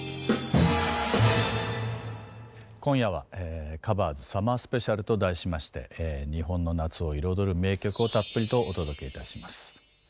今夜は「ｔｈｅＣｏｖｅｒｓサマースペシャル」と題しまして日本の夏を彩る名曲をたっぷりとお届けいたします。